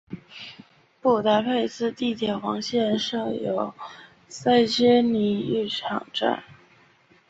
布达佩斯地铁黄线设有塞切尼浴场站。